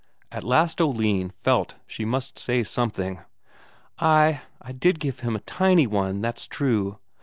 At last Oline felt she must say something. "Ay, I did give him a tiny one, that's true.